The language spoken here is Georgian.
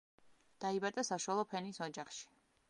დაიბადა საშუალო ფენის ოჯახში.